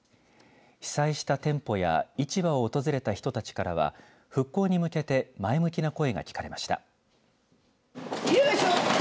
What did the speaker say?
被災した店舗や市場を訪れた人たちからは復興に向けて前向きな声が聞かれました。